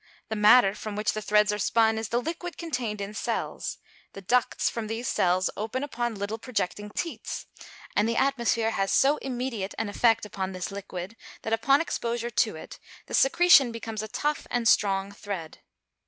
The matter from which the threads are spun is the liquid contained in cells; the ducts from these cells open upon little projecting teats, and the atmosphere has so immediate an effect upon this liquid, that upon exposure to it the secretion becomes a tough and strong thread.